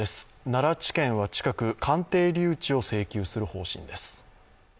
奈良地検は近く、鑑定留置を請求する方針です。